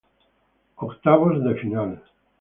Octavos de Final